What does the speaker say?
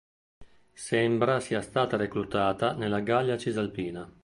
Sembra sia stata reclutata nella Gallia Cisalpina.